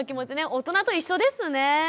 大人と一緒ですね。